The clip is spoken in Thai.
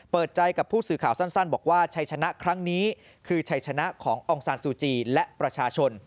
เปิดใจกับผู้สื่อข่าวสั้นบอกว่าชัยชนะครั้งนี้คือชัยชนะขององซานซูจีและประชาชน